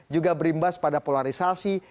juga berimbas pada polarisasi